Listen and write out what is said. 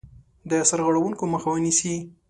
د سرغړونکو مخه ونیسي.